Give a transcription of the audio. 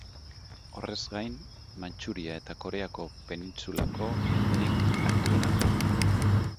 Horrez gain, Mantxuria eta Koreako penintsulako mendirik altuena da.